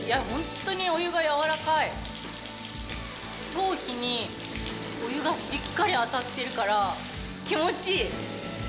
頭皮にお湯がしっかり当たってるから気持ちいい。